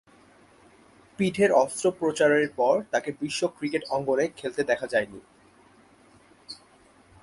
পিঠের অস্ত্রোপচারের পর তাকে বিশ্ব ক্রিকেট অঙ্গনে খেলতে দেখা যায়নি।